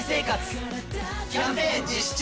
キャンペーン実施中！